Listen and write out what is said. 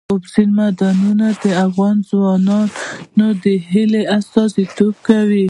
اوبزین معدنونه د افغان ځوانانو د هیلو استازیتوب کوي.